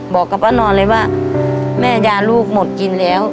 บอกกับป้านอนเลยว่าแม่ยาลูกหมดกินแล้ว